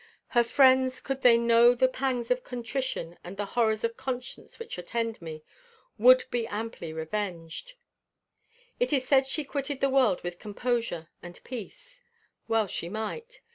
Her friends, could they know the pangs of contrition and the horrors of conscience which attend me, would be amply revenged. It is said she quitted the world with composure and peace. Well she might.